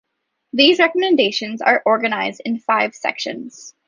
These recommendations are organized in five sections.